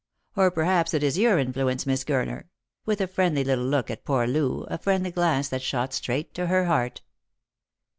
Or perhaps it is your influence, Miss Gurner," with a friendly little look at poor Loo, a friendly glance that shot straight to her heart.